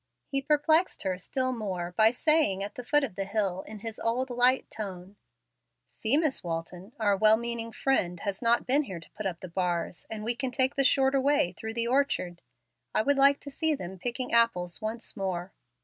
He perplexed her still more by saying at the foot of the hill, in his old light tone, "See, Miss Walton, our 'well meaning friend' has not been here to put up the bars, and we can take the shorter way through the orchard. I would like to see them picking apples once more.